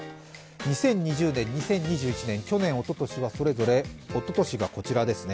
２０２０年、２０２１年、去年おととしは、それぞれ、おととしがこちらですね、